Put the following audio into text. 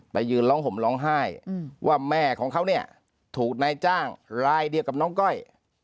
ไปยืนร้องห่มร้องไห้ว่าแม่ของเขาเนี่ยถูกนายจ้างลายเดียวกับน้องก้อย